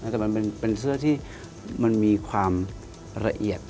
แต่มันเป็นเสื้อที่มันมีความละเอียด